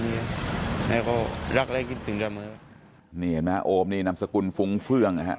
นี่เห็นมั้ยโอมนี่นามสกุลฟุ้งเฟืองนะฮะ